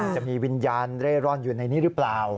จะมีวิญญาณเร่ร่อนอยู่ในนี้หรือเปล่า